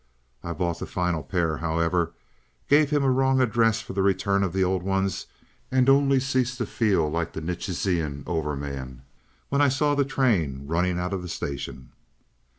I bought the final pair however, gave him a wrong address for the return of the old ones, and only ceased to feel like the Nietzschean Over man, when I saw the train running out of the station.